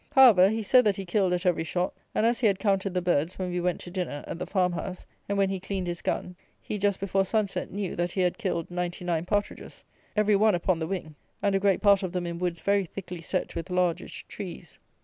However, he said that he killed at every shot; and, as he had counted the birds, when we went to dinner at the farmhouse and when he cleaned his gun, he, just before sun set, knew that he had killed ninety nine partridges, every one upon the wing, and a great part of them in woods very thickly set with largish trees.